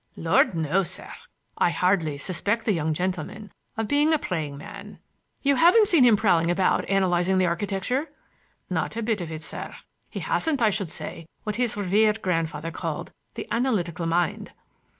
"Lord, no, sir! I hardly suspect the young gentleman of being a praying man." "You haven't seen him prowling about analyzing the architecture—" "Not a bit of it, sir. He hasn't, I should say, what his revered grandfather called the analytical mind."